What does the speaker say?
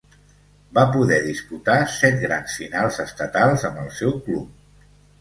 Va poder disputar set grans finals estatals amb el seu club.